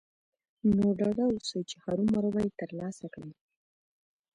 نو ډاډه اوسئ چې هرو مرو به يې ترلاسه کړئ.